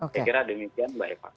saya kira demikian mbak eva